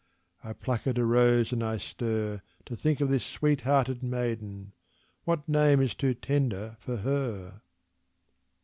I pluck at a rose and I stir To think of this sweet hearted maiden what name is too tender for her?